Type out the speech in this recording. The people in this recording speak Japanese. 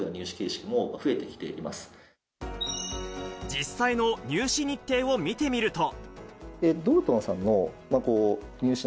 実際の入試日程を見てみると。